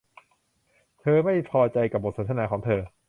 เธอไม่พอใจกับบทสนทนาของเธอ